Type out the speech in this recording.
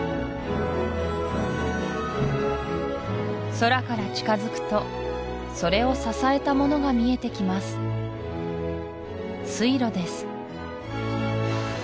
空から近づくとそれを支えたものが見えてきます水路です